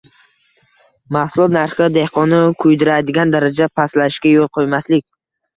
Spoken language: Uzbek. mahsulot narxi dehqonni kuydiradigan darajada pastlashiga yo‘l qo‘ymaslik